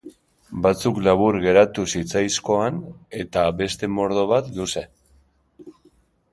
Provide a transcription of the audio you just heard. Batzuk labur geratu zitzaizkoan eta beste mordo bat luze.